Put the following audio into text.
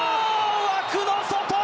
枠の外！